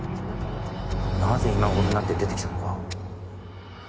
なぜ今頃になって出てきたのか。